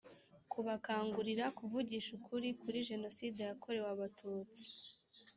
kubakangurira kuvugisha ukuri kuri jenoside yakorewe abatutsi